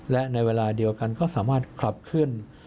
และในเวลาเดียวกันก็สามารถขับเคลื่อน